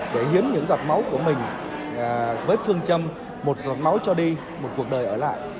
để hiến những giọt máu của mình với phương châm một giọt máu cho đi một cuộc đời ở lại